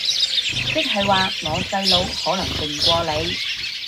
即係話我細佬可能勁過你